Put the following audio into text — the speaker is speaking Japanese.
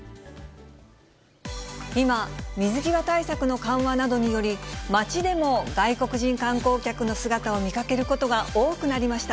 今、水際対策の緩和などにより、街でも外国人観光客の姿を見かけることが多くなりました。